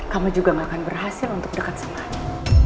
kamu juga gak akan berhasil untuk dekat sama dia